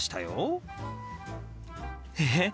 えっ？